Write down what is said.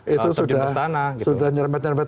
itu sudah nyerempet nyerempet